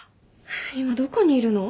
今どこにいるの？